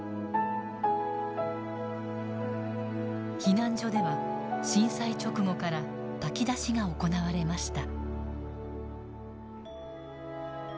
避難所では震災直後から炊き出しが行われました。